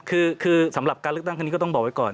คือสำหรับการเลือกตั้งครั้งนี้ก็ต้องบอกไว้ก่อน